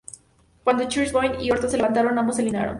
Cuando Chris Benoit y Orton se levantaron, ambos eliminaron.